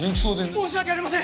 申し訳ありません！